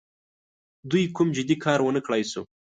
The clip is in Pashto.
دوی کوم جدي کار ونه کړای سو.